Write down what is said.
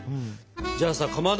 じゃあさかまど。